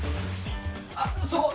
あっそこ！